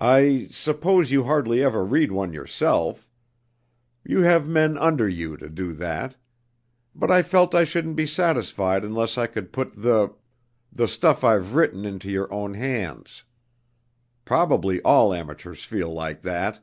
"I suppose you hardly ever read one yourself? You have men under you to do that. But I felt I shouldn't be satisfied unless I could put the the stuff I've written into your own hands. Probably all amateurs feel like that!"